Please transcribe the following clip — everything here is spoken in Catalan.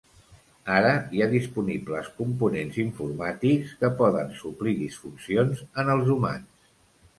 Ara hi ha disponibles components informàtics que poden suplir disfuncions en els humans.